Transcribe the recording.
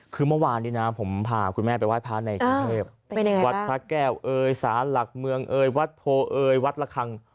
คือเมื่อวานผมพาคุณแม่ไปไหว้พระในเกียงเทพวัดพระแก่วสหลักเมืองวัดโพวัดระคัง